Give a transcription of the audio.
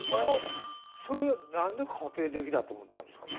それは何で家庭的だと思ったんですかね。